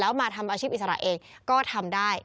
แล้วมาทำอาชีพอิสระเองก็ทำได้